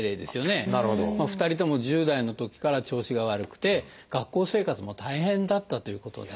２人とも１０代のときから調子が悪くて学校生活も大変だったということです。